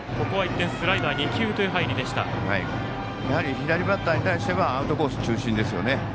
左バッターに対してはやはりアウトコース中心ですよね。